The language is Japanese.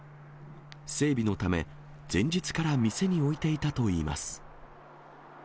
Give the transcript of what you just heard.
整備のため、前日から店に置いていたといいます。